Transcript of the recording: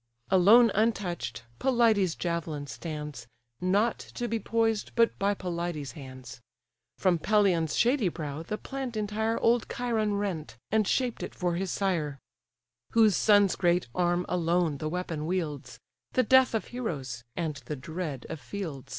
Alone untouch'd, Pelides' javelin stands, Not to be poised but by Pelides' hands: From Pelion's shady brow the plant entire Old Chiron rent, and shaped it for his sire; Whose son's great arm alone the weapon wields, The death of heroes, and the dread of fields.